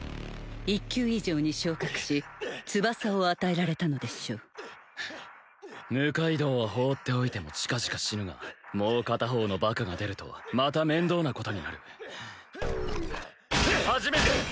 １級以上に昇格し翼を与えられたのでしょう六階堂は放っておいても近々死ぬがもう片方のバカが出るとまた面倒なことになる一君！